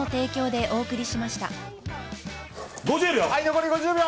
残り５０秒！